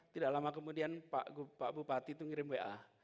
tidak lama kemudian pak bupati itu ngirim wa